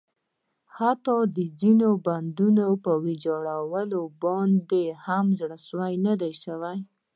حتٰی د ځینو بندونو په ویجاړولو باندې هم زړه سوی نه ده شوی.